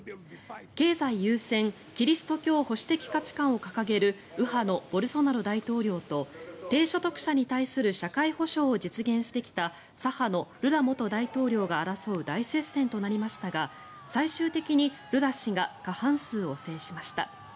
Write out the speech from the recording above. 経済優先キリスト教保守的価値観を掲げる右派のボルソナロ大統領と低所得者に対する社会保障を実現してきた左派のルラ元大統領が争う大接戦となりましたが最終的にルラ氏が過半数を制しました。